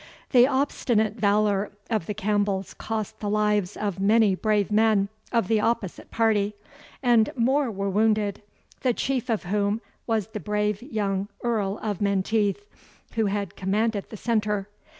The obstinate valour of the Campbells cost the lives of many brave men of the opposite party; and more were wounded, the Chief of whom was the brave young Earl of Menteith, who had commanded the centre.